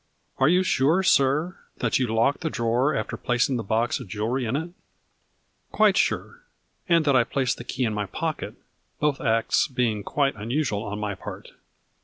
"Are you sure, sir, that you locked the drawer after placing the box of jewelry in it ?"" Quite sure, and that I placed the key in my pocket, both acts being quite unusual on my part."